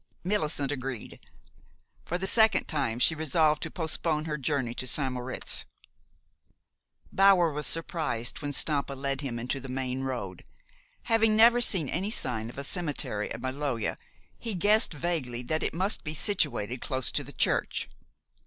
Millicent agreed. For the second time, she resolved to postpone her journey to St. Moritz. Bower was surprised when Stampa led him into the main road. Having never seen any sign of a cemetery at Maloja, he guessed vaguely that it must be situated close to the church.